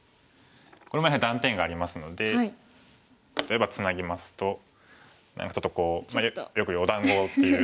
これもやはり断点がありますので例えばツナぎますと何かちょっとこうよくいうお団子という。